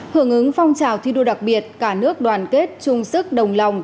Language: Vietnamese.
hưởng ứng phong trào thi đua đặc biệt cả nước đoàn kết chung sức đồng lòng